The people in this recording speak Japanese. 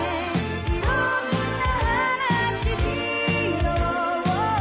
「いろんな話ししよう」